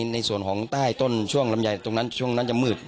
ในส่วนของต้นช่วงระมใหญ่ตรงนั้นนัดจะมืด